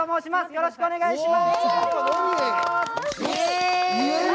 よろしくお願いします！